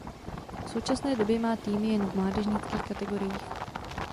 V současné době má týmy jen v mládežnických kategoriích.